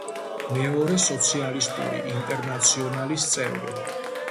მეორე სოციალისტური ინტერნაციონალის წევრი.